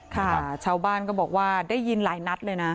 ค่ะชาวบ้านก็บอกว่าได้ยินหลายนัดเลยนะ